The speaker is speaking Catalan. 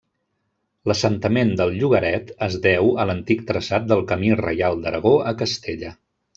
L'assentament del llogaret es deu a l'antic traçat del Camí Reial d'Aragó a Castella.